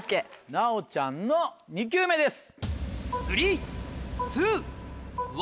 奈央ちゃんの２球目です。